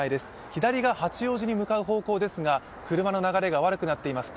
左が八王子に向かう方向ですが、車の流れが悪くなっています。